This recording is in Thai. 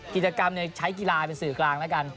กิจกรรมใช้กีฬาเป็นสื่อกลางแล้วกัน